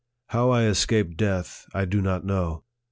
How I escaped death, I do not know.